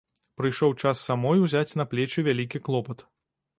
Прыйшоў час самой узяць на плечы вялікі клопат.